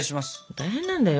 大変なんだよ